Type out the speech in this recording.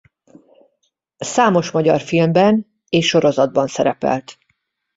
Számos magyar filmben és sorozatban szerepelt.